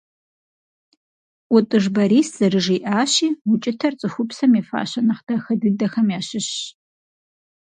ӀутӀыж Борис зэрыжиӀащи укӀытэр цӀыхупсэм и фащэ нэхъ дахэ дыдэхэм ящыщщ.